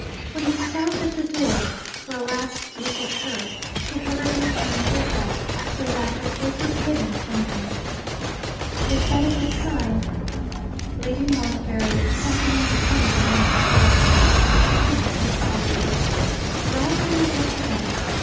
When he stopped at the door for a last look at her, she hurriedly turned her head so that her face was hidden from him. Was that a good sign? Lady Montbarry, accompanying Henry down the stairs, said, 'Yes, decidedly! Write when you get to Venice.